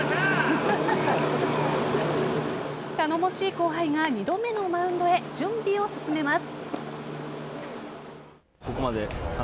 頼もしい後輩が２度目のマウンドへ準備を進めます。